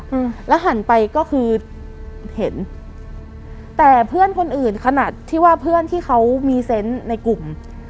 อืมแล้วหันไปก็คือเห็นแต่เพื่อนคนอื่นขนาดที่ว่าเพื่อนที่เขามีเซนต์ในกลุ่ม